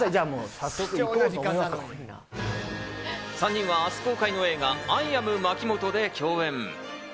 ３人は明日公開の映画『アイ・アムまきもと』で共演。